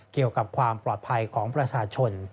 เกี่ยวกับความปลอดภัยของประชาชน